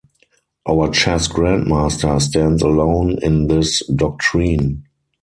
Our chess grandmaster stands alone in this doctrine.